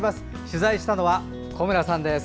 取材したのは小村さんです。